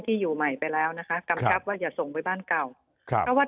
ที่อยู่ใหม่ไปแล้วนะคะกำชับว่าอย่าส่งไปบ้านเก่าครับเพราะว่า